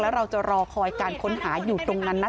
แล้วเราจะรอคอยการค้นหาอยู่ตรงนั้นนะคะ